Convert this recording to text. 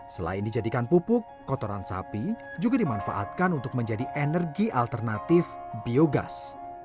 selain dijadikan pupuk kotoran sapi juga dimanfaatkan untuk menjadi energi alternatif biogas